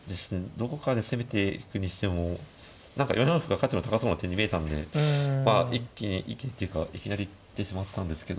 どこかで攻めていくにしても何か４四歩が価値の高そうな手に見えたんでまあ一気にっていうかいきなり行ってしまったんですけど。